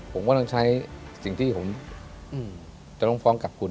ผมก็ต้องใช้สิ่งที่ผมจะต้องฟ้องกับคุณ